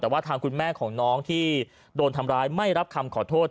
แต่ว่าทางคุณแม่ของน้องที่โดนทำร้ายไม่รับคำขอโทษ